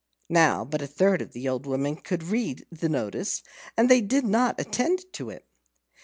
Now, but a third of the old women could read the notice, and they did not attend to it.